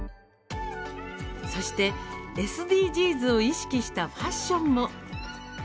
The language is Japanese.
そして、ＳＤＧｓを意識したファッションも。